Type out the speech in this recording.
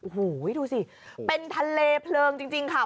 โอ้โหดูสิเป็นทะเลเพลิงจริงค่ะ